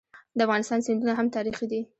د افغانستان سیندونه هم تاریخي دي.